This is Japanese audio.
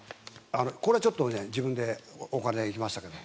これはちょっと自分のお金で行きましたけど。